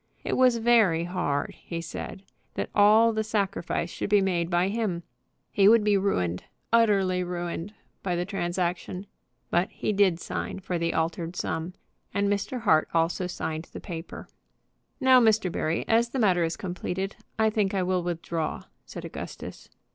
It was very hard, he said, that all the sacrifice should be made by him. He would be ruined, utterly ruined by the transaction. But he did sign for the altered sum, and Mr. Hart also signed the paper. "Now, Mr. Barry, as the matter is completed, I think I will withdraw," said Augustus.